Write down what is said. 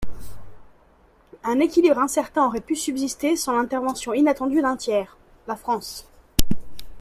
Un équilibre incertain aurait pu subsister sans l'intervention inattendue d'un tiers, la France.